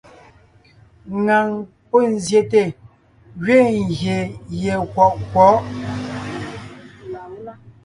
Ŋaŋ pɔ́ zsyète gẅiin gyè gie kwɔʼ kwɔ̌'.